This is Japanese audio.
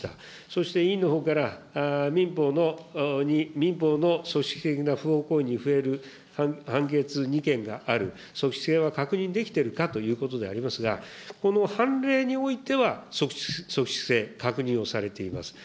そして、委員のほうから民法の組織的な不法行為に触れる判決２件がある、組織性は確認できてるかということでありますが、この判例においては、組織性、確認をされています。